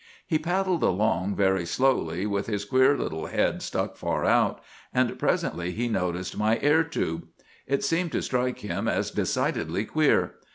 "'He paddled along very slowly, with his queer little head stuck far out, and presently he noticed my air tube. It seemed to strike him as decidedly queer.